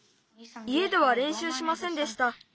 いえではれんしゅうしませんでした。